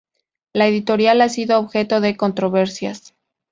La editorial ha sido objeto de controversias.